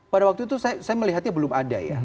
pada waktu itu saya melihatnya belum ada ya